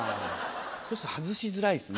そうすると外しづらいっすね